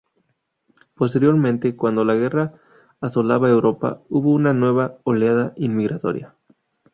Posteriormente, cuando la guerra asolaba Europa, hubo una nueva oleada inmigratoria.